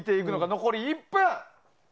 残り１分。